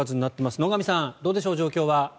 野上さん、どうでしょう人の状況は。